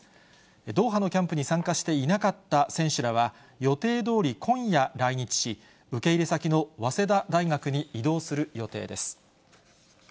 ドーハのキャンプに参加していなかった選手らは、予定どおり今夜、来日し、受け入れ先の早稲田大学に移動する予定です。